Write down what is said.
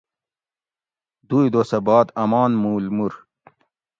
دوئی دوسہ بعد امان مول مور